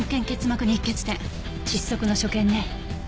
窒息の所見ね。